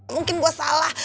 mungkin gue salah